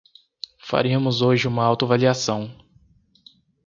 Faríamos hoje uma autoavaliação